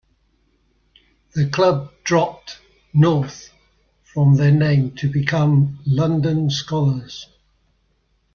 The club dropped "North" from their name to become "London Skolars".